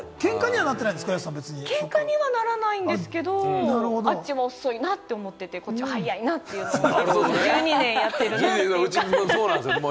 けんかにはならないんですけれど、あっちも遅いなと思っていて、こっちは早いなと思っていて、１２年やってるなって。